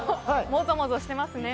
もぞもぞしてますね。